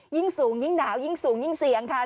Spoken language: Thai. ยิ่งสูงยิ่งหนาวยิ่งสูงยิ่งเสี่ยงค่ะ